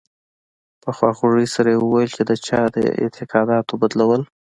په خواخوږۍ سره یې وویل چې د چا د اعتقاداتو بدلول.